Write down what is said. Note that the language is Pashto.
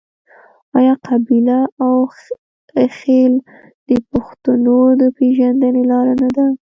آیا قبیله او خیل د پښتنو د پیژندنې لار نه ده؟